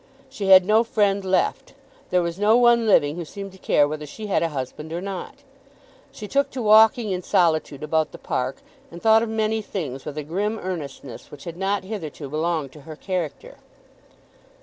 She had no friend left. There was no one living who seemed to care whether she had a husband or not. She took to walking in solitude about the park, and thought of many things with a grim earnestness which had not hitherto belonged to her character.